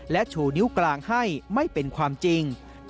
และชูนิ้วกลางให้ไม่เป็นความจริง